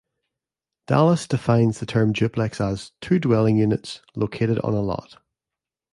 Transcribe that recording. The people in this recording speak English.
Dallas defines the term duplex as "two dwelling units located on a lot".